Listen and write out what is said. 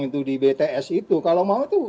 itu di bts itu kalau mau itu